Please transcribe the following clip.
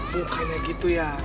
bukannya gitu ya